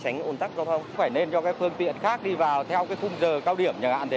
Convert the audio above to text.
nhờ hạn thế